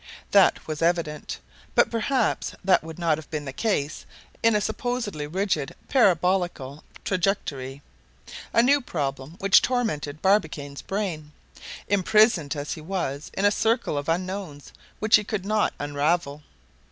That was evident, but perhaps that would not have been the case in a supposedly rigidly parabolical trajectory—a new problem which tormented Barbicane's brain, imprisoned as he was in a circle of unknowns which he could not unravel.